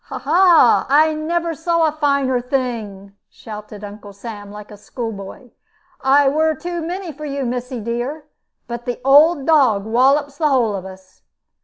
"Ha! ha! I never saw a finer thing," shouted Uncle Sam, like a school boy. "I were too many for you, missy dear; but the old dog wollops the whole of us.